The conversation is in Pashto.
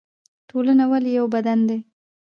ټولنه ولې یو بدن دی؟